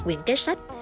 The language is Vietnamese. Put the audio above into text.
nguyện cái sách